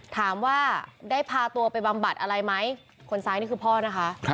ถามว่าได้พาตัวไปบำบัดอะไรไหมคนซ้ายนี่คือพ่อนะคะ